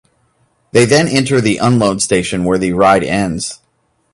They then enter the unload station where the ride ends.